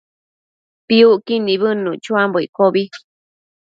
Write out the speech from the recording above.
Piucquid nibëdnuc chuambo iccobi